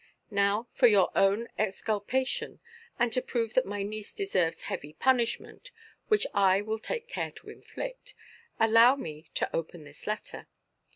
Now for your own exculpation, and to prove that my niece deserves heavy punishment (which I will take care to inflict), allow me to open this letter.